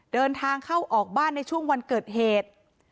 เดินทางเข้าออกบ้านในช่วงวันเกิดเหตุ